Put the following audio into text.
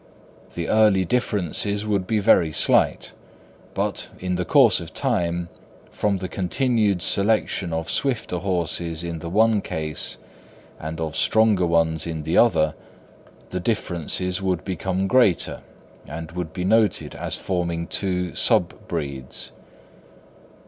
The early differences would be very slight; but, in the course of time, from the continued selection of swifter horses in the one case, and of stronger ones in the other, the differences would become greater, and would be noted as forming two sub breeds.